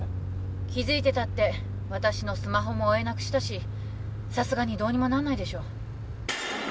気づいてたって私のスマホも追えなくしたしさすがにどうにもなんないでしょ